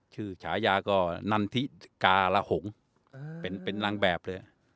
ฉายาก็นันทิกาละหงเป็นนางแบบเลย